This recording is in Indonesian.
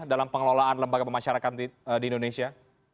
dalam pengelolaan lembaga pemasyarakat di indonesia